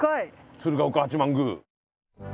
鶴岡八幡宮。